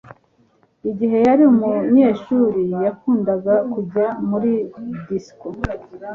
igihe yari umunyeshuri, yakundaga kujya muri disco